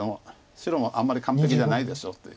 白もあんまり完璧じゃないでしょという。